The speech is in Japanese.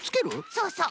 そうそう！